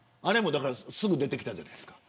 すぐ出てきたじゃないですか。